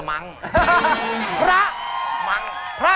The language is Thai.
ไม่กินเป็นร้อย